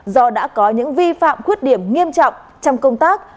do đã có những vi phạm khuyết điểm nghiêm trọng trong công tác